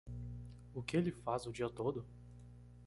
O que ele faz o dia todo?